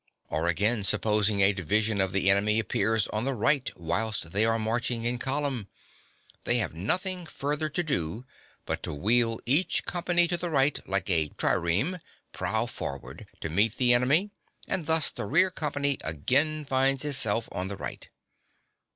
Or again, supposing a division of the enemy appears on the right whilst they are marching in column, they have nothing further to do but to wheel each company to the right, like a trireme, prow forwards, (22) to meet the enemy, and thus the rear company again finds itself on the right.